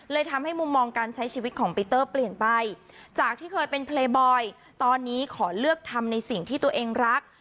ทำให้มุมมองการใช้ชีวิตของปีเตอร์เปลี่ยนไปจากที่เคยเป็นเพลย์บอยตอนนี้ขอเลือกทำในสิ่งที่ตัวเองรัก